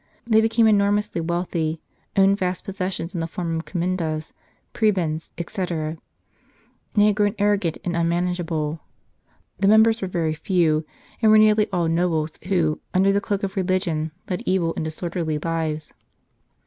They became enormously wealthy, owned vast possessions in the form of commendas, pre bends, etc., and had grown arrogant and un manageable; the members were very few, and were nearly all nobles who, under the cloak of religion, led evil and disorderly lives.